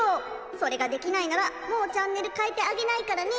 それができないならもうチャンネルかえてあげないからね」。